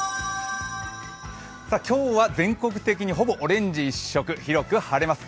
今日は全国的にほぼオレンジ一色、広く晴れます。